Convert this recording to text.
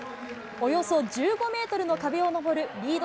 およそ１５メートルの壁を登るリード